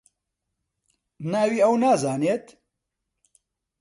ناوی ئەو نازانیت؟